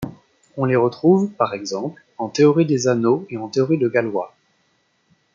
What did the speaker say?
On les retrouve, par exemple, en théorie des anneaux et en théorie de Galois.